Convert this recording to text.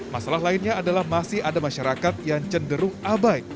masalah lainnya adalah masih ada masyarakat yang cenderung abai